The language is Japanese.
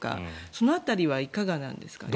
その辺りはいかがなんですかね？